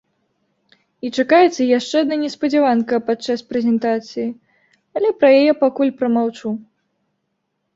І чакаецца яшчэ адна неспадзяванка падчас прэзентацыі, але пра яе пакуль прамаўчу!